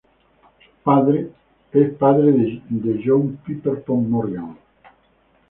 Es padre de John Pierpont Morgan.